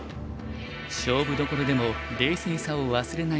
勝負どころでも冷静さを忘れない